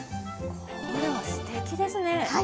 これはすてきですね。